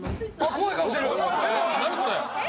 怖い顔してる！